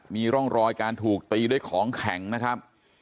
มีร่องรอยการถูกตีด้วยของแข็งนะครับ